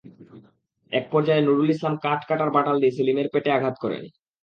একপর্যায়ে নূরুল ইসলাম কাঠ কাটার বাঁটাল দিয়ে সেলিমের পেটে আঘাত করেন।